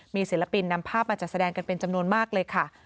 มีศิลปินนำภาพมาจัดแสดงกันเป็นจำนวนมากเลยค่ะ